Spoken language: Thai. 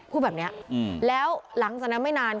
พูดแบบนี้แล้วหลังจากนั้นไม่นาน